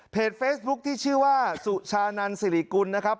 เฟซบุ๊คที่ชื่อว่าสุชานันสิริกุลนะครับ